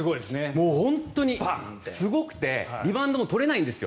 本当にすごくてリバウンドも取れないんです